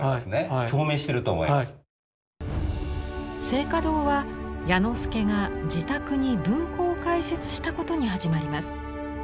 静嘉堂は彌之助が自宅に文庫を開設したことに始まります。